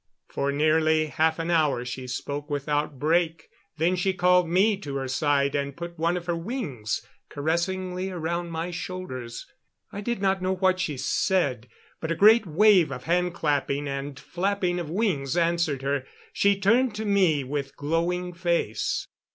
For nearly half an hour she spoke without a break, then she called me to her side and put one of her wings caressingly about my shoulders. I did not know what she said, but a great wave of handclapping and flapping of wings answered her. She turned to me with glowing face.